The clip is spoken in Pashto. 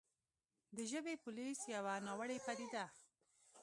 د «ژبې پولیس» يوه ناوړې پديده